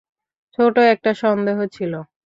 ছোট একটা সন্দেহ ছিল।